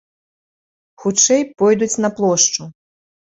Хутчэй пойдуць на плошчу.